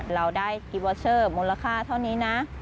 เราได้กิวอเชอร์มูลค่าเท่านี้นะ